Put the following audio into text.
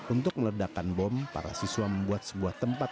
untuk meledakan bom para siswa membuat sebuah tempat